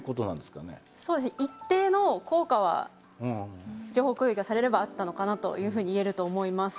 そうですね一定の効果は情報共有がされればあったのかなというふうにいえると思います。